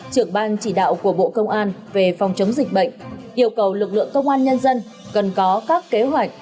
trưởng ban chỉ đạo của bộ công an về phòng chống dịch bệnh yêu cầu lực lượng công an nhân dân cần có các kế hoạch